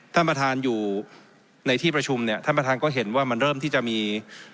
ท่านประธานอยู่ในที่ประชุมเนี่ยท่านประธานก็เห็นว่ามันเริ่มที่จะมี